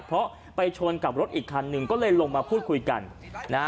เพราะไปชนกับรถอีกคันหนึ่งก็เลยลงมาพูดคุยกันนะฮะ